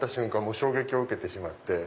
衝撃を受けてしまって。